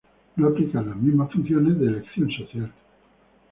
No aplicar las mismas funciones de elección social.